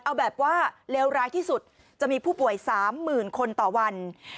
เอาแบบว่าเลวร้ายที่สุดจะมีผู้ป่วย๓๐๐๐คนต่อวัน